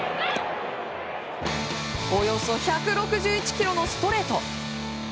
およそ１６１キロのストレート。